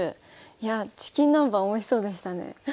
いやチキン南蛮おいしそうでしたね。